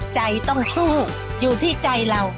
ใจต้องสู้อยู่ที่ใจเรา